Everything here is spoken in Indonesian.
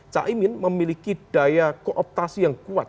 caimin memiliki daya kooptasi yang kuat